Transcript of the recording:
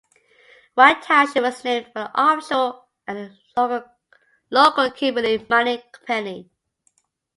White Township was named for an official at the local Kimberly Mining Company.